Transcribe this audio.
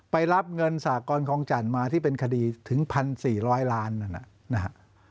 ไปรับเงินสากรคองจันทร์มาที่เป็นคดีถึงพันสี่ร้อยล้านนะ